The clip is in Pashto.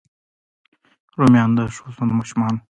رومیان د ښوونځي ماشومانو خوښېږي